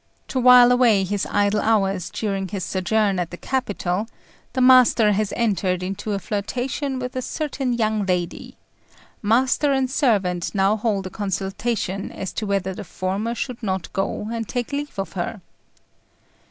To while away his idle hours during his sojourn at the capital the master has entered into a flirtation with a certain young lady: master and servant now hold a consultation as to whether the former should not go and take leave of her.